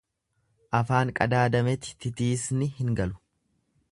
Afaan qadaadameti titiisni hin galu.